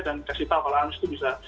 dan kasih tahu kalau unmesh itu bisa